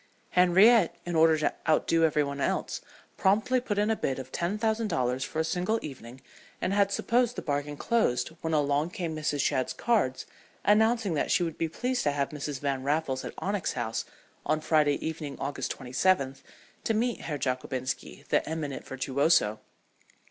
Henriette, in order to outdo every one else, promptly put in a bid of ten thousand dollars for a single evening, and had supposed the bargain closed when along came Mrs. Shadd's cards announcing that she would be pleased to have Mrs. Van Raffles at Onyx House on Friday evening, August 27th, to meet Herr Jockobinski, the eminent virtuoso.